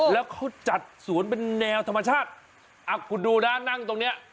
แล้วเขาจัดสวนเป็นแนวธรรมชาติอ่ะคุณดูนะนั่งตรงเนี้ย